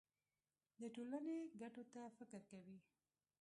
د ټولنې ګټو ته فکر کوي.